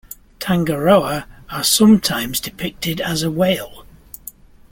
Tangaroa are sometimes depicted as a whale.